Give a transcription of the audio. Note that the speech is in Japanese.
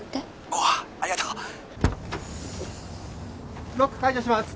「おおありがとう」ロック解除します。